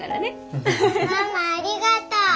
ママありがとう。